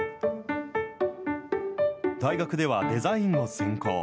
大学ではデザインを専攻。